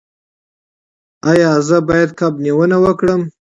ایا زه باید کب نیونه وکړم؟